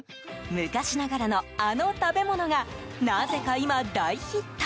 昔ながらの、あの食べ物がなぜか今、大ヒット。